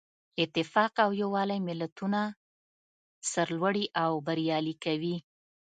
اتفاق او یووالی ملتونه سرلوړي او بریالي کوي.